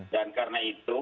dan karena itu